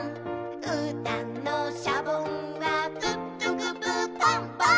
「うーたんのシャボンはプップクプーポンポン！」